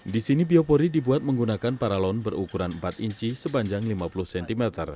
di sini biopori dibuat menggunakan paralon berukuran empat inci sepanjang lima puluh cm